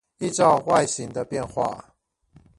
依照外形的變化